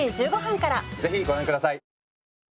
ぜひご覧下さい！